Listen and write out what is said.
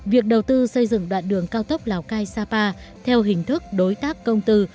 việc đầu tư xây dựng đoạn đường cao tốc lào cai sapa theo hình thức đối tác công tư